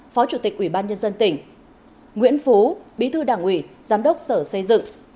phó chủ tịch ủy ban nhân dân tỉnh nguyễn phú bí thư đảng ủy giám đốc sở xây dựng